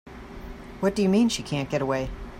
What do you mean she can't get away?